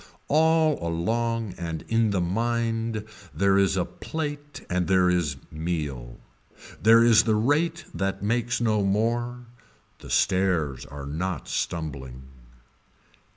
All along and in the mind there is a plate and there is meal. There is the rate that makes no more. The stairs are not stumbling.